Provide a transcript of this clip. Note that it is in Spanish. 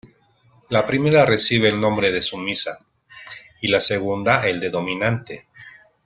La primera recibe el nombre de sumisa, y la segunda el de dominante.